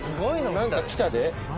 何か来たで何？